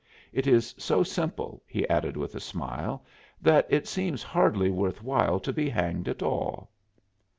It is so simple," he added with a smile, "that it seems hardly worth while to be hanged at all."